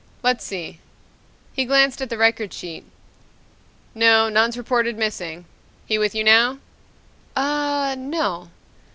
"Let's see." He glanced at a record sheet. "No, none's reported missing. He with you now?" "Ah no."